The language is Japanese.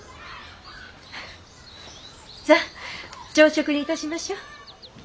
さあ朝食に致しましょう。